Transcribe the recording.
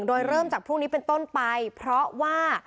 โดยเริ่มจากพรุ่งนี้เป็นต้นไปเพราะว่า